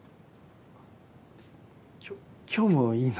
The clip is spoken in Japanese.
きょ今日もいいの？